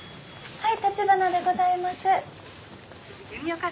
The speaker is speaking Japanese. はい！